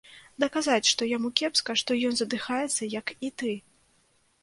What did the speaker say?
Даказаць, што яму кепска, што ён задыхаецца як і ты.